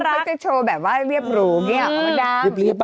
เขาจะโชว์แบบเวียบบุรุม